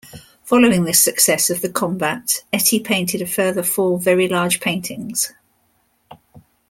Following the success of "The Combat", Etty painted a further four very large paintings.